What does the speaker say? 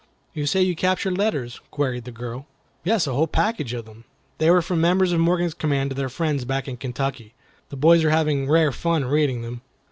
"You say you captured letters?" queried the girl. "Yes, a whole package of them. They were from members of Morgan's command to their friends back in Kentucky. The boys are having rare fun reading them."